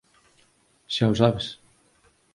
Xa o sabes;